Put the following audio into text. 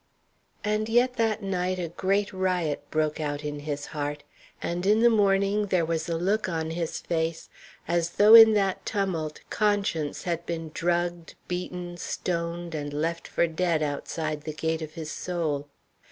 And yet that night a great riot broke out in his heart; and in the morning there was a look on his face as though in that tumult conscience had been drugged, beaten, stoned, and left for dead outside the gate of his soul.